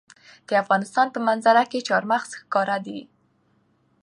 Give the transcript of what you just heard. د افغانستان په منظره کې چار مغز ښکاره ده.